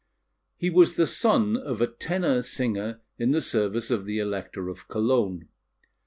He was the son of a tenor singer in the service of the Elector of Cologne.